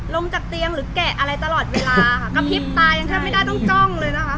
ลงจากเตียงหรือแกะอะไรตลอดเวลาค่ะกระพริบตายังแทบไม่ได้ต้องจ้องเลยนะคะ